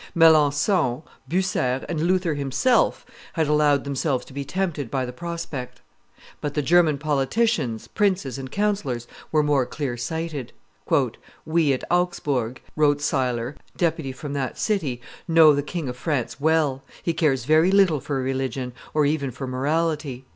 Melancthon, Bucer, and Luther himself had allowed themselves to be tempted by the prospect; but the German politicians, princes, and counsellors were more clear sighted. "We at Augsburg," wrote Sailer, deputy from that city, "know the King of France well; he cares very little for religion, or even for morality.